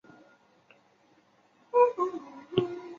粤语粗口看似有音无字。